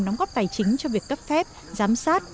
đóng góp tài chính cho việc cấp phép giám sát